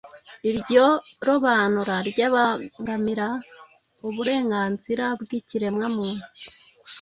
Iryo robanura ryabangamira uburenganzira bw'ikiremwamuntu.